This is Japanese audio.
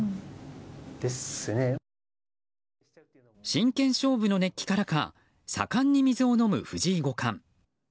真剣勝負の熱気からか盛んに水を飲む藤井五冠。